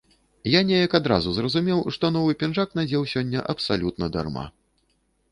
Я неяк адразу зразумеў, што новы пінжак надзеў сёння абсалютна дарма.